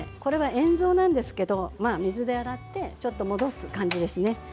塩蔵なんですけど水で洗って戻す感じですね。